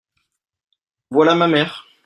Voilà ma mère.